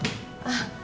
あっ